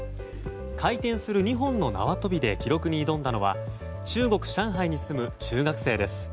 回転する２本の縄跳びで記録に挑んだのは中国・上海に住む中学生です。